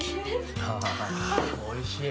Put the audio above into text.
あおいしい。